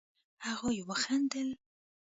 هغوئ وخندل.